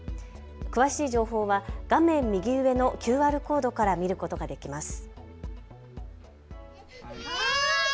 詳しい情報は画面右上のＱＲコードから見ることができます。